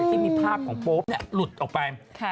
ซึ่งมีภาพของโป๊ปหลุดออกไป